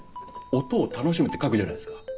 「音を楽しむ」って書くじゃないですか。